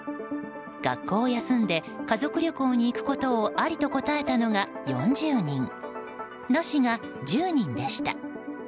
学校を休んで家族旅行に行くことをありと答えたのが４０人なしが１０人でした。